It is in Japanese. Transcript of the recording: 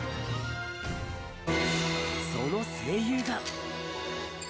その声優が。